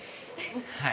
はい。